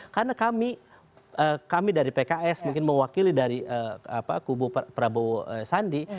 karena kami kami dari pks mungkin mewakili dari kubu prabowo sandi